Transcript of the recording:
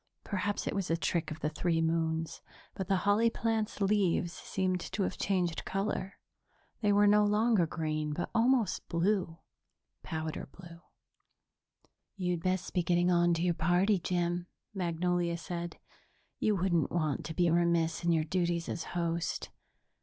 Perhaps it was a trick of the three moons, but the holly plant's leaves seemed to have changed color.. They were no longer green, but almost blue powder blue. "You'd best be getting on to your party, Jim," Magnolia said. "You wouldn't want to be remiss in your duties as host.